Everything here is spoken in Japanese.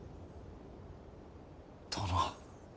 殿。